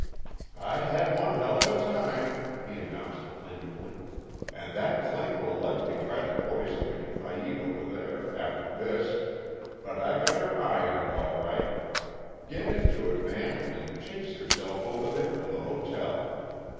"I had one hell of a time," he announced plaintively, "and that Chink will likely try to poison me if I eat over there, after this but I got her ironed, all right. Get into it, Man, and chase yourself over there to the hotel.